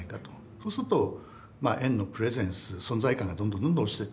そうすると円のプレゼンス存在感がどんどんどんどん落ちてってしまう。